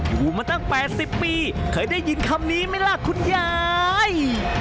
อยู่มาตั้ง๘๐ปีเคยได้ยินคำนี้ไหมล่ะคุณยาย